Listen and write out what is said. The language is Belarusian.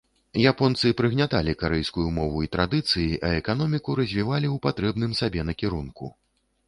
Японцы прыгняталі карэйскую мову і традыцыі, а эканоміку развівалі ў патрэбным сабе накірунку.